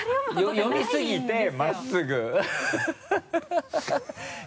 読み過ぎて真っすぐ